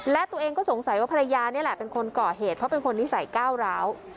และตัวเองก็สงสัยว่าภรรยานี่แหละเป็นคนก่อเหตุเพราะเป็นคนนิสัยก้าวร้าว